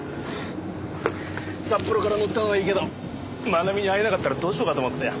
札幌から乗ったのはいいけど愛美に会えなかったらどうしようかと思ったよ。